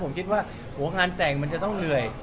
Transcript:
หัวงานแต่งมันจะต้องเหนื่อย